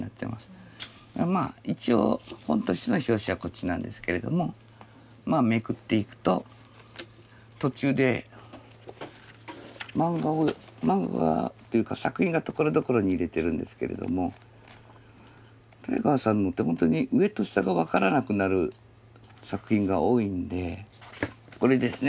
まあ一応本としての表紙はこっちなんですけれどもまあめくっていくと途中でマンガっていうか作品がところどころに入れてるんですけれどもタイガーさんのってほんとに上と下が分からなくなる作品が多いんでこれですね